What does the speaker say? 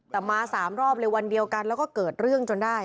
แต่มา๓รอบเลยวันเดียวกันแล้วก็เกิดเรื่องจนได้